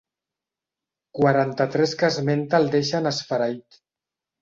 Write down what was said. Quaranta-tres que esmenta el deixen esfereït.